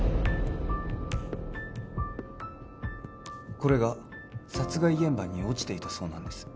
これが殺害現場に落ちていたそうなんです